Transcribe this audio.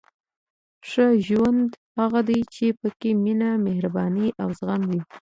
• ښه ژوند هغه دی چې پکې مینه، مهرباني او زغم وي.